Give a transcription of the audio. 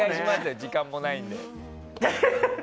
時間もないんで。